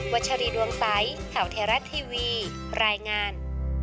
วัชรีดวงไซต์เข่าเทราะทีวีรายงาน